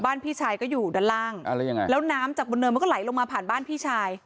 พี่ชายก็อยู่ด้านล่างอ่าแล้วยังไงแล้วน้ำจากบนเนินมันก็ไหลลงมาผ่านบ้านพี่ชาย